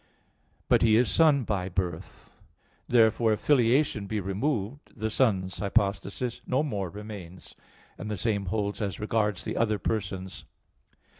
But He is Son by "birth." Therefore, if filiation be removed, the Son's hypostasis no more remains; and the same holds as regards the other persons.